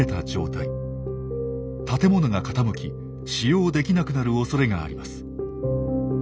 建物が傾き使用できなくなるおそれがあります。